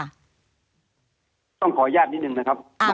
ต้องขออนุญาตนิดนึงนะครับ